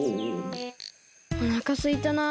おなかすいたな。